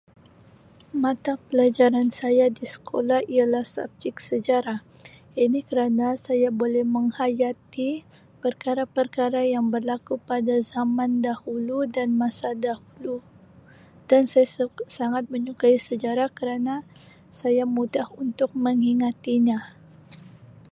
Mata pelajaran saya di sekolah ialah subjek Sejarah ini kerana saya boleh menghayati perkara-perkara yang berlaku pada zaman dahulu dan masa dahulu dan saya sak sangat menyukai sejarah kerana saya mudah untuk mengingatinya.